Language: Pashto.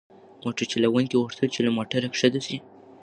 موټر چلونکي غوښتل چې له موټره کښته شي.